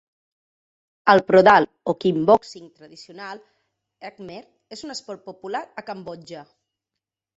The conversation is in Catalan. El prodal o kickboxing tradicional khmer és un esport popular a Cambodja.